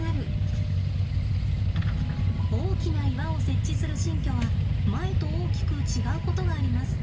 大きな岩を設置する新居は前と大きく違うことがあります。